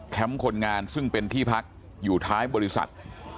คนงานซึ่งเป็นที่พักอยู่ท้ายบริษัท